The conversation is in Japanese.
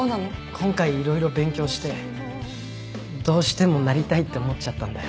今回色々勉強してどうしてもなりたいって思っちゃったんだよ。